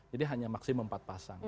jadi hanya maksimum empat pasang